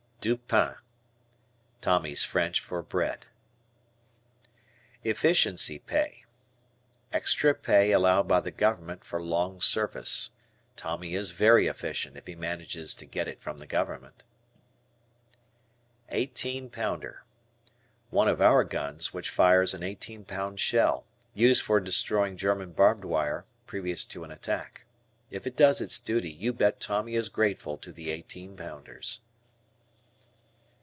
"Du pan." Tommy's French for bread. E Efficiency Pay. Extra pay allowed by the Government for long service. Tommy is very efficient if he manages to get it from the Government. Eighteen Pounder. One of our guns which fires an eighteen pound shell, used for destroying German barbed wire previous to an attack. If it does its duty you bet Tommy is grateful to the eighteen pounders.